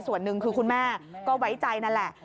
ส่วนหนึ่งคือคุณแม่ก็ไว้ใจนั่นแหละ